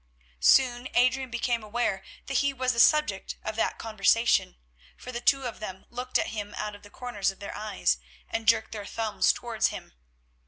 Soon Adrian became aware that he was the subject of that conversation, for the two of them looked at him out of the corners of their eyes, and jerked their thumbs towards him.